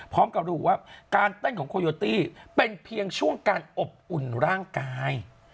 พร้อมกับระบุว่าการเต้นของโคโยตี้เป็นเพียงช่วงการอบอุ่นร่างกาย